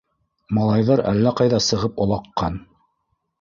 Малайҙар әллә ҡайҙа сығып олаҡҡан.